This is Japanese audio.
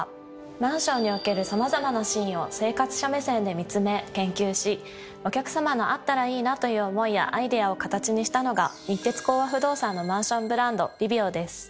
マンションにおけるさまざまなシーンを生活者目線で見つめ研究しお客さまの「あったらいいな」という思いやアイデアを形にしたのが日鉄興和不動産のマンションブランド「ＬＩＶＩＯ」です。